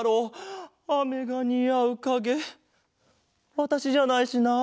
わたしじゃないしな。